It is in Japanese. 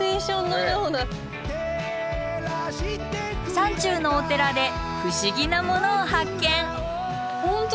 山中のお寺で不思議なものを発見！